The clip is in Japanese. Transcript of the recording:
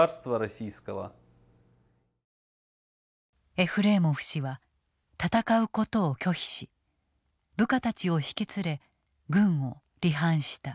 エフレーモフ氏は戦うことを拒否し部下たちを引き連れ軍を離反した。